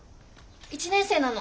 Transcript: １年生なの。